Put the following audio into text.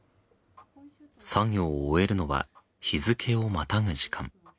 作業を終えるのは日付をまたぐ時間。